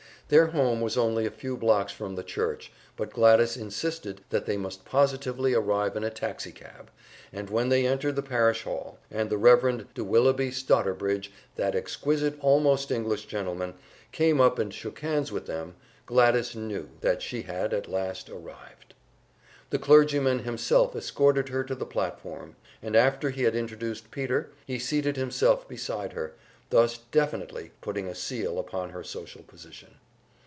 Their home was only a few blocks from the church, but Gladys insisted that they must positively arrive in a taxi cab, and when they entered the Parish Hall and the Rev. de Willoughby Stotterbridge, that exquisite almost English gentleman, came up and shook hands with them, Gladys knew that she had at last arrived. The clergyman himself escorted her to the platform, and after he had introduced Peter, he seated himself beside her, thus definitely putting a seal upon her social position.